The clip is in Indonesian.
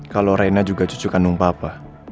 kalau rena juga cucu kandung papa